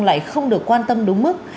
lại không được quan tâm đúng mức